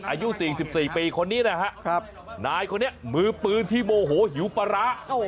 อายุสี่สี่สิบสี่ปีคนนี้นะฮะครับนายคนนี้มือปืนที่โมโหหิวปลาร้า